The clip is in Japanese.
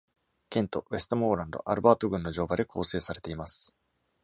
ケント、ウェストモーランド、アルバート郡の乗馬で構成されています。